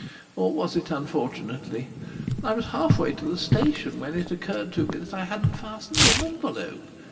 Or was it unfortunately? I was half way to the station when it occurred to me that I hadn't fastened the envelope!